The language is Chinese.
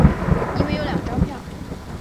因为有两张票